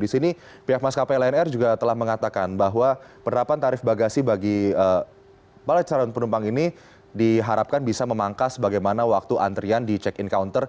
di sini pihak maskapai lion air juga telah mengatakan bahwa penerapan tarif bagasi bagi para calon penumpang ini diharapkan bisa memangkas bagaimana waktu antrian di check in counter